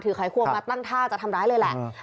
ไขควงมาตั้งท่าจะทำร้ายเลยแหละ